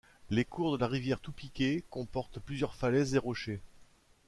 Le cours de la rivière Toupiké comporte plusieurs falaises et rochers.